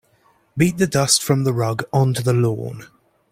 Beat the dust from the rug onto the lawn.